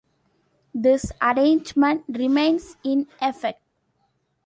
This arrangement remains in effect.